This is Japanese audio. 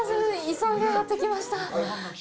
急いでやってきました。